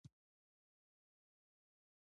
کله چې مو په خوړنځای کې ډوډۍ خوړله.